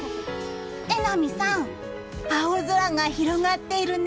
榎並さん、青空が広がっているね。